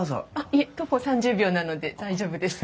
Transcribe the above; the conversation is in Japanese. いえ徒歩３０秒なので大丈夫です。